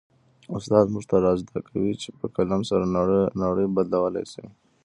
استاد موږ ته را زده کوي چي په قلم سره نړۍ بدلولای سي.